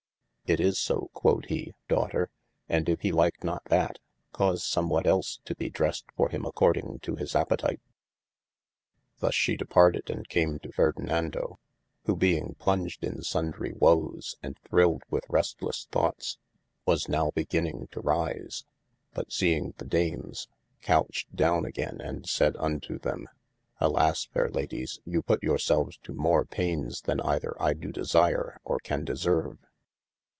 It is so (quod he) daughter, and if he like not that, cause some what els to be dressed for him according to his apetite. Thus she departed and came to Ferdinando, who being plonged in sundry woes and thrilled with restlesse thoughtes, was nowe beginning to rise. But seing the Dames, couched down agayne, and sayd unto them. Alas fayre Ladyes you put your selves to more • paynes than eyther I do desire, or can deserve.